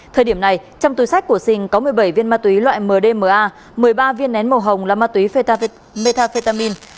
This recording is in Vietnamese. thời điểm này trong túi sách của sinh có một mươi bảy viên ma túy loại mdma một mươi ba viên nén màu hồng là ma túy metafetamin